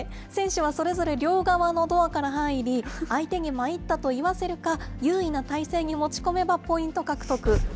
選手はそれぞれ両側のドアから入り、相手にまいったと言わせるか、優位な体勢に持ち込めばポイント獲得。